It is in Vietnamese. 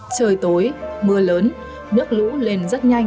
trời tối mưa lớn nước lũ lên rất nhanh